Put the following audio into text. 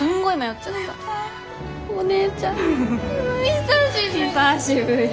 お姉ちゃん久しぶり！